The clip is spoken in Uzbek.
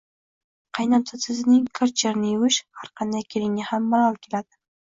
Qaynotasining kir-chirini yuvish har qanday kelinga ham malol keladi